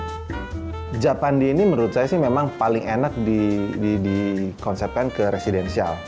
gaya japandi menurut saya paling enak dikonsepkan ke residential